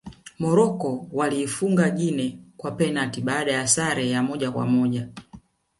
morocco waliifuga guinea kwa penati baada ya sare ya moja kwa moja